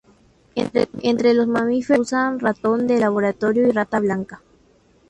Entre los mamíferos se usan ratón de laboratorio y rata blanca.